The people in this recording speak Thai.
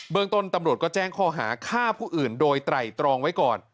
เมืองต้นตำรวจก็แจ้งข้อหาฆ่าผู้อื่นโดยไตรตรองไว้ก่อน